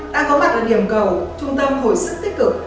ta có mặt ở điểm cầu trung tâm hồi sức tích cực